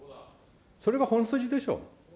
それが本筋でしょう。